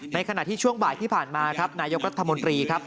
ขณะที่ช่วงบ่ายที่ผ่านมาครับนายกรัฐมนตรีครับ